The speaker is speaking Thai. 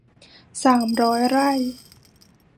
สามร้อยไร่